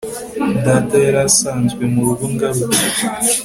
Data yari asanzwe murugo ngarutse